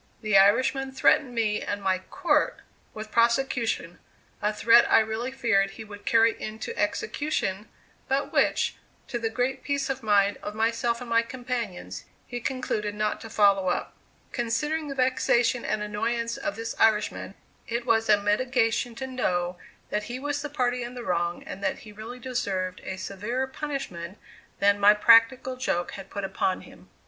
The Irishman threatened me and my "court" with prosecution a threat I really feared he would carry into execution, but which, to the great peace of mind of myself and my companions, he concluded not to follow up. Considering the vexation and annoyance of this Irishman, it was a mitigation to know that he was the party in the wrong and that he really deserved a severer punishment than my practical joke had put upon him.